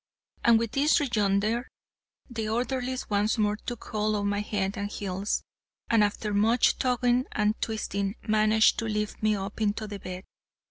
And with this rejoinder, the orderlies once more took hold of my head and heels, and after much tugging and twisting, managed to lift me up into the bed.